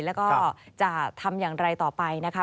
แล้วก็จะทำอย่างไรต่อไปนะคะ